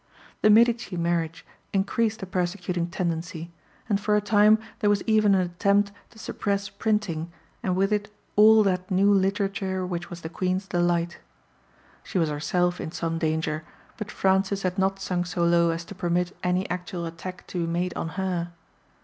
The Medici marriage increased the persecuting tendency, and for a time there was even an attempt to suppress printing, and with it all that new literature which was the Queen's delight. She was herself in some danger, but Francis had not sunk so low as to permit any actual attack to be made on her.